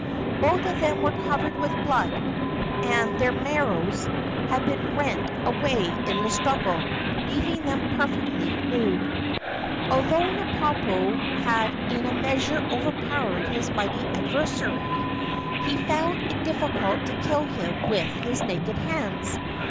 Both of them were covered with blood, and their maros had been rent away in the struggle, leaving them perfectly nude. Although Napopo had in a measure overpowered his mighty adversary, he found it difficult to kill him with his naked hands.